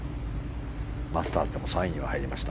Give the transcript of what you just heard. マスターズでも３位に入りました。